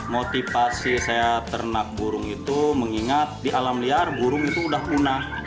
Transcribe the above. motivasi saya ternak burung itu mengingat di alam liar burung itu sudah punah